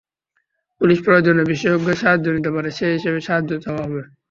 Police প্রয়োজনে বিশেষজ্ঞের সাহায্য নিতে পারে, সেই হিসেবেই সাহায্য চাওয়া হবে।